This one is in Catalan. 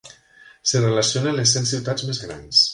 S'hi relacionen les cent ciutats més grans.